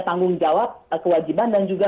tanggung jawab kewajiban dan juga